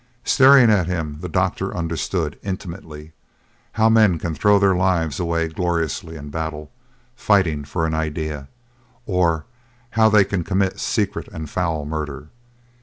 Staring at him the doctor understood, intimately, how men can throw their lives away gloriously in battle, fighting for an idea; or how they can commit secret and foul murder.